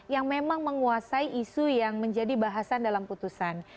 yang memang menguasai isu yang menjadi bahasan dalam putusan